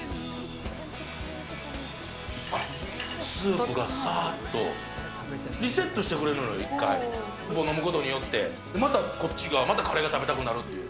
あっ、スープがさーっと、リセットしてくれるのよ、一回、これを飲むことによって、またこっちが、カレーが食べたくなるっていう。